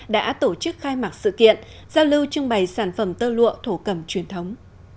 đã tổ chức khai mạc sự kiện giao lưu trưng bày sản phẩm tơ lụa thổ cẩm truyền thống